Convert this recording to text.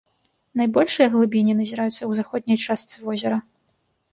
Найбольшыя глыбіні назіраюцца ў заходняй частцы возера.